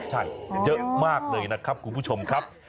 ใช่เยอะมากเลยนะครับคุณผู้ชมครับ